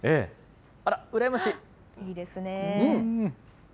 あら、いいですね。